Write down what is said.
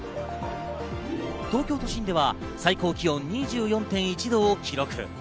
東京都心では最高気温２４．１度を記録。